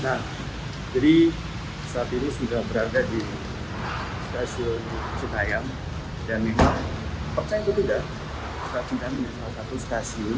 nah jadi saat ini sudah berada di stasiun cina yang dan memang percaya itu tidak